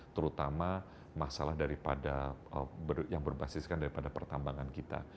terutama masalah yang berbasiskan daripada pertambangan kita